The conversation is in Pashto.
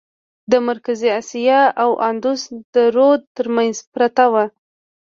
د مرکزي آسیا او اندوس د رود ترمنځ پرته وه.